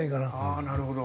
ああなるほど。